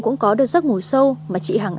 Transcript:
cũng có được giấc ngủ sâu mà chị hằng